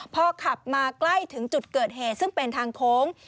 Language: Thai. พอขับมาใกล้ถึงจุดเกิดเหตุซึ่งเป็นทางโค้ง